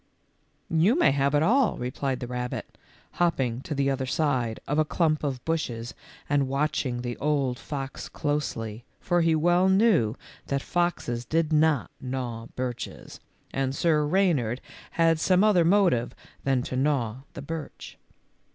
" You may have it all," replied the rabbit, hopping to the other side of a clump of bushes and watching the old fox closely, for he well knew that foxes did not gnaw birches, and Sir Reynard had some other motive than to gnaw the birch.